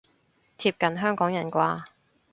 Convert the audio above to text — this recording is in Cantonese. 貼近香港人啩